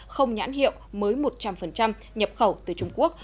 không nhãn hiệu mới một trăm linh nhập khẩu từ trung quốc